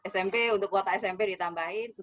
smp untuk kuota smp ditambahin